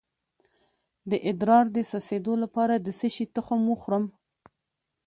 د ادرار د څڅیدو لپاره د څه شي تخم وخورم؟